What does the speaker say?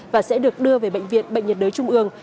và sẽ được đưa về bệnh viện bệnh nhiệt đới trung ương